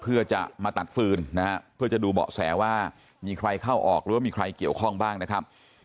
เพื่อจะมาตัดฟืนนะฮะเพื่อจะดูเบาะแสว่ามีใครเข้าออกหรือว่ามีใครเกี่ยวข้องบ้างนะครับ